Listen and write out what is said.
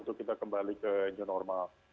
untuk kita kembali ke new normal